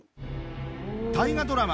大河ドラマ